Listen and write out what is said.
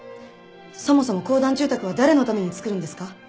そもそも公団住宅は誰のために作るんですか？